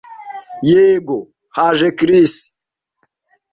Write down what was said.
Yego, haje Chris.